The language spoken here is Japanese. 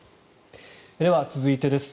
では、続いてです。